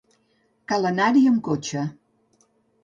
Cal anar-hi amb cotxe.